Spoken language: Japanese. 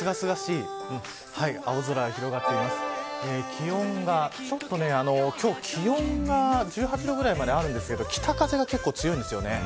気温がちょっと１８度ぐらいまであるんですが北風が結構強いんです。